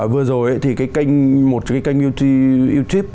vừa rồi thì một kênh youtube